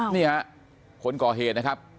นี่ฮะคนก่อเหตุนะครับ